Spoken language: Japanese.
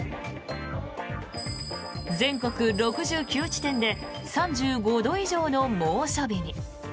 全国６９地点で３５度以上の猛暑日に。